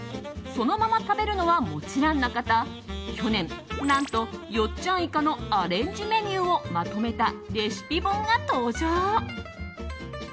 そのまま食べるのはもちろんのこと去年、何とよっちゃんイカのアレンジメニューをまとめたレシピ本が登場。